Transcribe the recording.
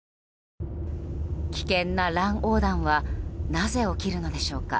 危険な乱横断はなぜ起きるのでしょうか。